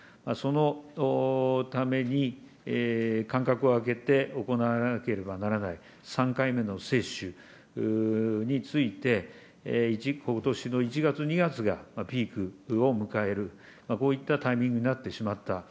そのために、間隔を空けて行わなければならない３回目の接種について、ことしの１月、２月がピークを迎える、こういったタイミングになってしまった。